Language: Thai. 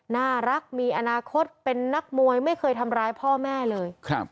น่ารักมีอนาคตเป็นนักมวยไม่เคยทำร้ายพ่อแม่เลย